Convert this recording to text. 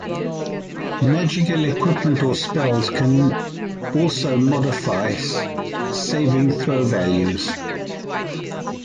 Magical equipment or spells can also modify saving throw values.